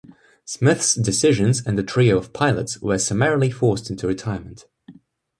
Smith's decisions and the trio of pilots were summarily forced into retirement.